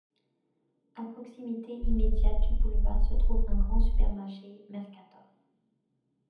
À proximité immédiate du boulevard se trouve un grand supermarché Mercator.